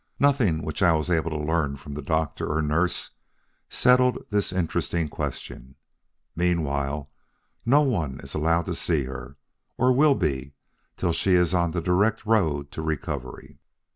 Nothing which I was able to learn from doctor or nurse settled this interesting question. Meanwhile, no one is allowed to see her or will be till she is on the direct road to recovery.